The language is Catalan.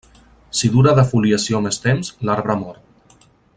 Si dura defoliació més temps, l'arbre mor.